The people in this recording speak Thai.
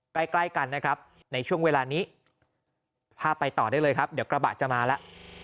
ใกล้ใกล้กันนะครับในช่วงเวลานี้พาไปต่อได้เลยครับเดี๋ยวกระบะจะมาแล้ว